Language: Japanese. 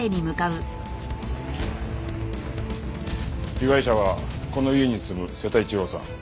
被害者はこの家に住む瀬田一郎さん。